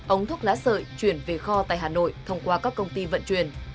ống thuốc lá sợi chuyển về kho tại hà nội thông qua các công ty vận chuyển